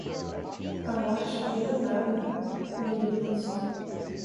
A morte não muda nada? o menino pensou.